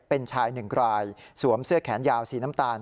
เป็นชายหนึ่งรายสวมเสื้อแขนยาวสีน้ำตาล